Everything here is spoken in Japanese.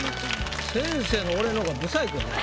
先生の俺の方がブサイクやな。